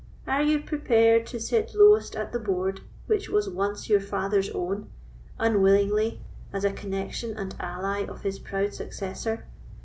Are you prepared to sit lowest at the board which was once your father's own, unwillingly, as a connexion and ally of his proud successor?